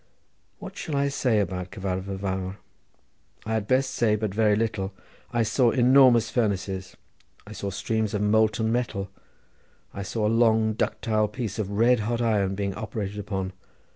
What shall I say about the Cyfartha Fawr? I had best say but very little. I saw enormous furnaces. I saw streams of molten metal. I saw a long ductile piece of red hot iron being operated upon.